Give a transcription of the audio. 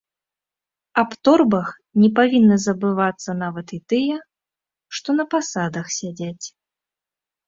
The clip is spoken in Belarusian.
Аб торбах не павінны забывацца нават і тыя, што на пасадах сядзяць.